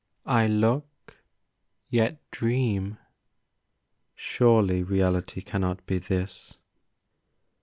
I look, yet dream. Surely reality cannot be this!